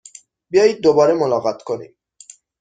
بیایید دوباره ملاقات کنیم!